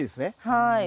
はい。